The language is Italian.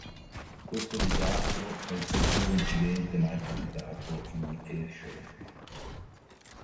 Questo disastro è il peggior incidente mai capitato in un airshow.